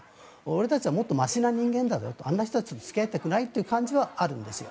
俺たちはもっとましな人間だとあんな人たちと付き合いたくないというのがあるんです。